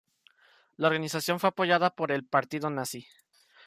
La organización fue apoyada por el Partido Nazi.